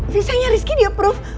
visanya rizky di approve